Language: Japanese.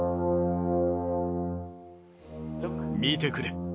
見てくれ。